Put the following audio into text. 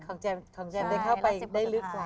ของแจมได้เข้าไปได้ลึกกว่า